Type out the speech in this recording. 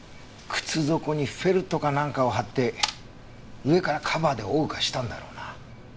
靴底にフェルトかなんかを貼って上からカバーで覆うかしたんだろうな。